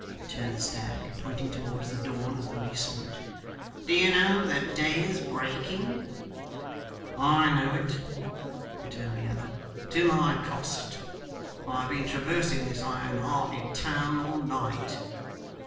returned Stagg, pointing towards the dawn as though he saw it. 'Do you know the day is breaking?' 'I know it,' rejoined the other, 'to my cost. I have been traversing this iron hearted town all night.